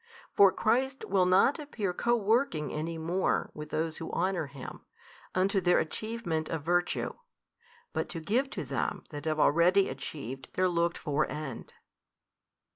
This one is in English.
For Christ will not appear co working any more with those who honour Him, unto their achievement of virtue, but to give to them that have already achieved their looked for end.